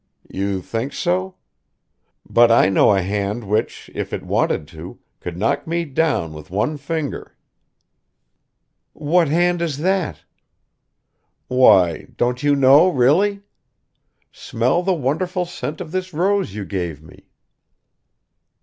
"You think so? But I know a hand which, if it wanted to, could knock me down with one finger." "What hand is that?" "Why, don't you know really? Smell the wonderful scent of this rose you gave me."